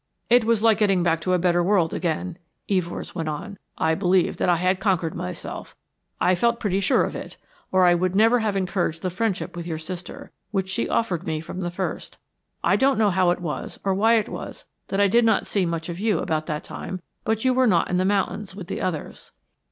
"It was like getting back to a better world again," Evors went on. "I believed that I had conquered myself; I felt pretty sure of it, or I would have never encouraged the friendship with your sister, which she offered me from the first. I don't know how it was or why it was that I did not see much of you about that time, but you were not in the mountains with the others."